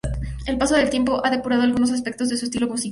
El paso del tiempo ha depurado algunos aspectos de su estilo musical.